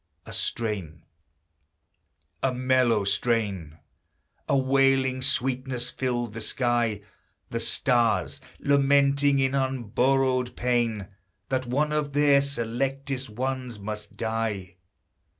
A strain a mellow strain A wailing sweetness filled the sky; The stars, lamenting in unborrowed pain, That one of their selectest ones must die!